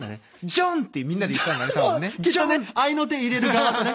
「ジョン！」ってみんなで言ったんだね。